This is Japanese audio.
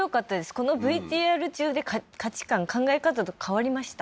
このＶＴＲ中で価値観考え方が変わりました